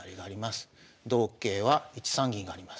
同桂は１三銀があります。